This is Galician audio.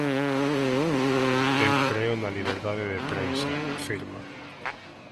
"Eu creo na liberdade de prensa", afirma.